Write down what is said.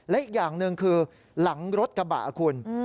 และอีกอย่างหนึ่งคือหลังรถกระบะคุณ